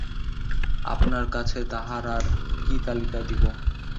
আপনার কাছে তাহার আর কী তালিকা দিব।